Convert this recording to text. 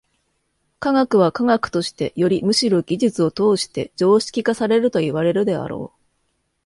科学は科学としてよりむしろ技術を通じて常識化されるといわれるであろう。